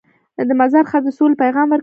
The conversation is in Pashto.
د مزار ښار د سولې پیغام ورکوي.